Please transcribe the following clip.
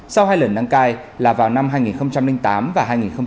sau hai lần đăng cai là vào năm hai nghìn tám và hai nghìn một mươi ba